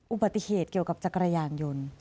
อุบัติเหตุเกี่ยวกับจักรยานยนต์